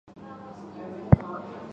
清南线